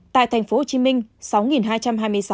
tại thành phố hồ chí minh sáu hai trăm hai mươi sáu